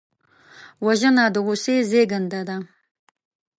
وژنه د غصې زېږنده ده